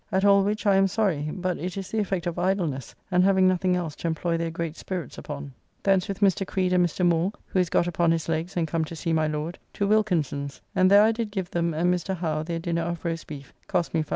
At all which I am sorry; but it is the effect of idleness, and having nothing else to employ their great spirits upon. Thence with Mr. Creede and Mr. Moore (who is got upon his legs and come to see my Lord) to Wilkinson's, and there I did give them and Mr. Howe their dinner of roast beef, cost me 5s.